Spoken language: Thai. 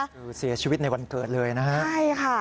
คือเสียชีวิตในวันเกิดเลยนะครับ